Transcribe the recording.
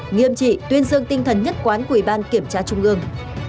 nghiêm trị tuyên dương tinh thần nhất quán của ủy ban kiểm tra trung ương